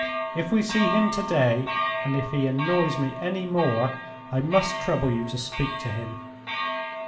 If we see him to day, and if he annoys me any more, I must trouble you to speak to him.